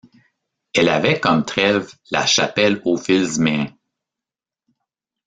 Elle avait comme trève La Chapelle-aux-Filzméens.